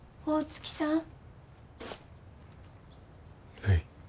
大月さん。